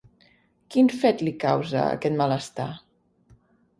Quin fet li causa aquest malestar?